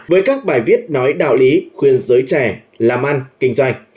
với các bài viết nói đạo lý khuyên giới trẻ làm ăn kinh doanh